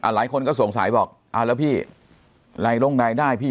หลายคนก็สงสัยบอกแล้วพี่รายลงรายได้พี่